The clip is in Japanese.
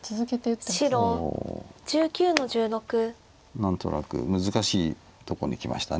何となく難しいとこにきました。